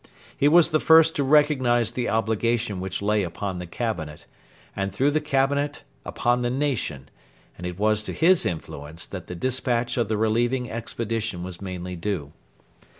He was the first to recognise the obligation which lay upon the Cabinet, and through the Cabinet upon the nation, and it was to his influence that the despatch of the relieving expedition was mainly due.